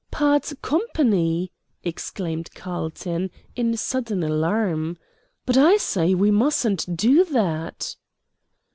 "Part company!" exclaimed Carlton, in sudden alarm. "But, I say, we mustn't do that."